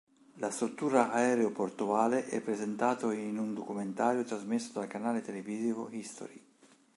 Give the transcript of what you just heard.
La struttura aeroportuale è presentato in un documentario trasmesso dal canale televisivo "History".